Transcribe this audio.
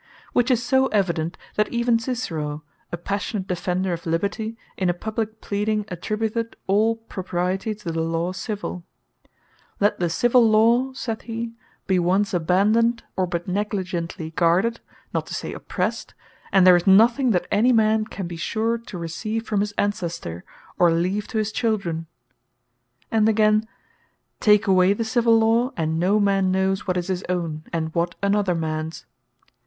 Which is so evident, that even Cicero, (a passionate defender of Liberty,) in a publique pleading, attributeth all Propriety to the Law Civil, "Let the Civill Law," saith he, "be once abandoned, or but negligently guarded, (not to say oppressed,) and there is nothing, that any man can be sure to receive from his Ancestor, or leave to his Children." And again; "Take away the Civill Law, and no man knows what is his own, and what another mans."